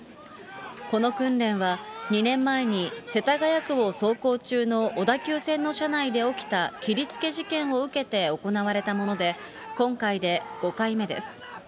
この訓練は、２年前に世田谷区を走行中の小田急線の車内で起きた切りつけ事件を受けて行われたもので、今回で５回目です。